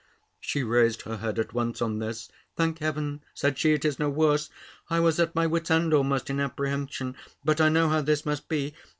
She raised her head at once on this: "Thank Heaven," said she, "it is no worse! I was at my wit's end almost, in apprehension: but I know how this must be.